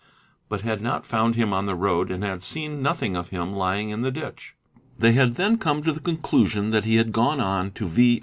but had not found him on the road and had seen ~ nothing of him lying in the ditch. They had then come to the conclusion a that he had gone on to V.